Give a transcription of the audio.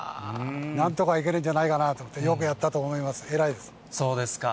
なんとかいけるんじゃないかなと思って、よくやったと思います、そうですか。